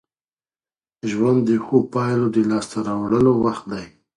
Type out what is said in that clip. ژوند د ښو پايلو د لاسته راوړلو وخت دی.